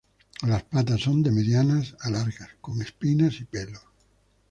Las patas son de medianas a largas, con espinas y pelos.